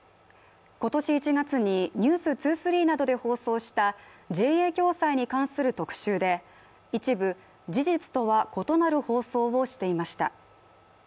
今年１月に「ｎｅｗｓ２３」などで放送したＪＡ共済に関する特集で一部、事実とは異なる放送をしていました。